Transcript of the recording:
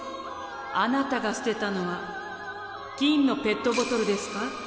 あなたが捨てたのは金のペットボトルですか？